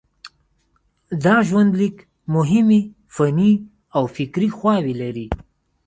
دا ژوندلیک مهمې فني او فکري خواوې لري.